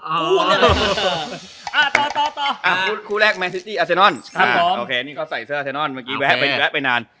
อ่าต่อคุณแรกแมนซิตี้อาเซนอนนี่ก็ใส่เสื้ออาเซนอนเมื่อกี้แวะไปนาน